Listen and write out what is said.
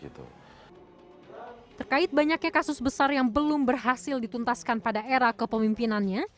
terkait banyaknya kasus besar yang belum berhasil dituntaskan pada era kepemimpinannya